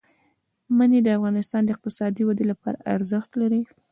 منی د افغانستان د اقتصادي ودې لپاره ارزښت لري.